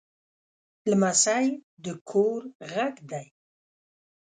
لمسی د کور غږ دی.